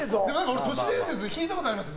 俺都市伝説で聞いたことあります。